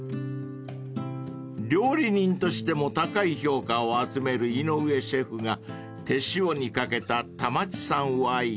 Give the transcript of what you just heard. ［料理人としても高い評価を集める井上シェフが手塩にかけた田町産ワイン］